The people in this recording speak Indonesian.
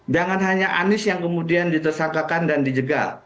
jangan hanya anies yang kemudian ditersangkakan dan dijegal